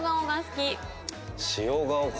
塩顔か。